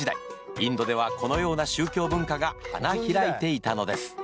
インドではこのような宗教文化が花開いていたのです。